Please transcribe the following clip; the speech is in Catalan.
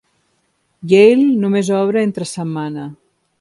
Yale només obre entre setmana.